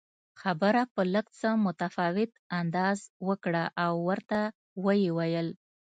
خبره په لږ څه متفاوت انداز وکړه او ورته ویې ویل